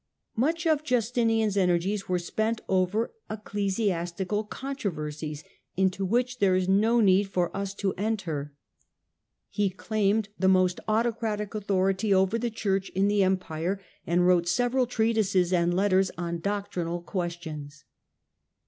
Much of Justinian's energies were spent over ecclesi astical controversies, into which there is no need for us to enter. He claimed the most autocratic authority tutions JUSTINIAN 61 over the Church in the Empire and wrote several treatises and letters on doctrinal questions.